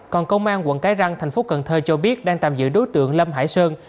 còn công an quận cái răng thành phố cần thơ cho biết đang tạm giữ đối tượng lâm hải sơn